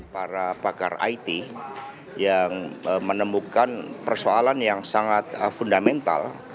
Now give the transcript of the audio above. para pakar it yang menemukan persoalan yang sangat fundamental